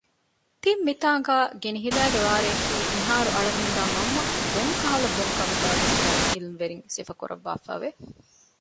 ތިން މިތާގައި ގިނިހިލައިގެ ވާރެއަކީ މިހާރު އަޅަމުންދާ މަންމަ ބޮންކަހަލަ ބޮންކަމުގައި ވެސް ބައެއް ޢިލްމުވެރިން ސިފަކުރަށްވާފައި ވެ